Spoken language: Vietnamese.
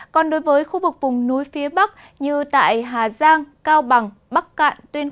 còn đối với khu vực vùng núi phía bắc như tại hà giang cao bằng bắc cạn tuyên